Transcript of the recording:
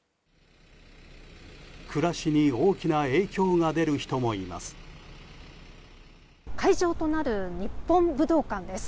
暮らしに大きな影響が出る人もいます。